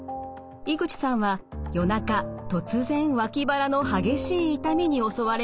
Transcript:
井口さんは夜中突然脇腹の激しい痛みに襲われました。